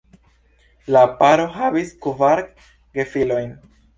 La paro havis kvar gefilojn.